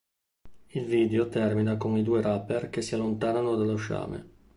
Il video termina con i due rapper che si allontanano dallo sciame.